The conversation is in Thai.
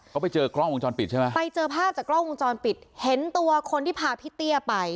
เขาไปเจอกล้องวงจรปิดใช่ไหมไปเจอภาพจากกล้องวงจรปิดเห็นตัวคนที่พาพี่เตี้ยไป